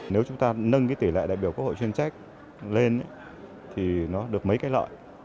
nếu chúng ta nâng cái tỷ lệ đại biểu quốc hội chuyên trách lên thì nó được mấy cái lợi